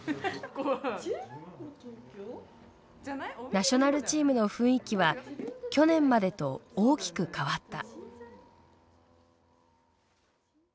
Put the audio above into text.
ナショナルチームの雰囲気は去年までと大きく変わった。